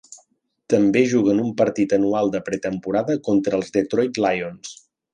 També juguen un partit anual de pretemporada contra els Detroit Lions.